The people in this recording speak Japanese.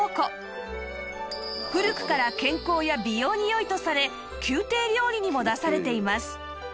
古くから健康や美容に良いとされ宮廷料理にも出されています